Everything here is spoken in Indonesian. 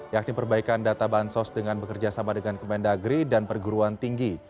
yakni perbaikan data bansos dengan bekerja sama dengan kemendagri dan perguruan tinggi